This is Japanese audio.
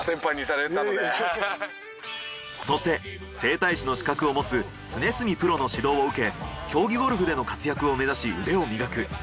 そして整体師の資格を持つ常住プロの指導を受け競技ゴルフでの活躍を目指し腕を磨く